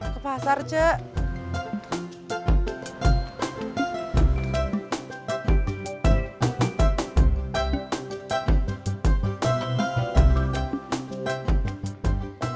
ke pasar cek